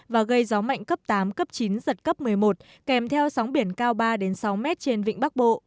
và gây gió mạnh cấp tám cấp chín giật cấp một mươi một kèm theo sóng biển cao ba sáu mét trên vịnh bắc bộ